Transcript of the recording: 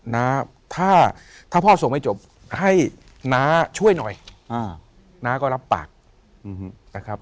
น้าถ้าถ้าพ่อส่งไม่จบให้น้าช่วยหน่อยน้าก็รับปากนะครับ